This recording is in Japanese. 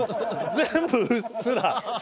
全部うっすら。